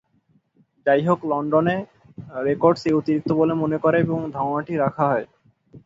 যাইহোক, London Records এই অতিরিক্ত বলে মনে করে এবং ধারণাটি রাখা হয়।